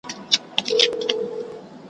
پټ یې غوږ ته دی راوړی د نسیم پر وزر زېری ,